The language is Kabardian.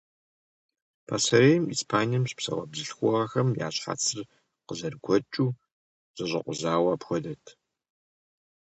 Пасэрейм Испанием щыпсэуа бзылъхугъэхэм я щхьэцыр къызэрыгуэкӀыу, зэщӀэкъузауэ апхуэдэт.